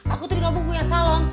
aku tuh dikabung punya salong